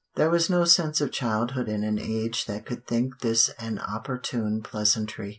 There was no sense of childhood in an age that could think this an opportune pleasantry.